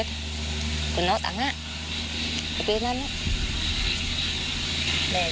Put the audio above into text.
ที่บอกไปอีกเรื่อยเนี่ย